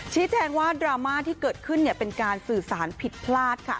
ชี้แจงว่าดราม่าที่เกิดขึ้นเป็นการสื่อสารผิดพลาดค่ะ